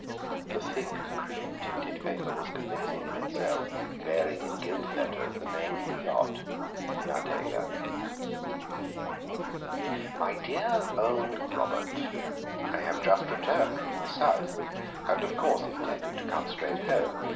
The thick cream tinted paper was convincing in itself, bearing in gilt letters the name of the yacht, Nadeja. MY DEAR OLD ROBERT: I have just returned from the South, and of course intended to come straight home.